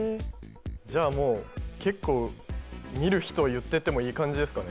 じゃあもう結構見る人を言ってってもいい感じですかね？